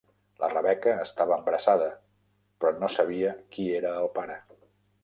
La Rebeca estava embarassada però no sabia qui era el pare.